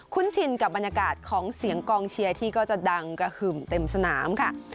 ชินกับบรรยากาศของเสียงกองเชียร์ที่ก็จะดังกระหึ่มเต็มสนามค่ะ